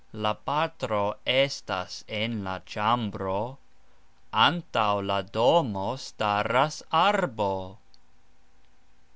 La patro estas en la cxambro. Antaux la domo staras arbo.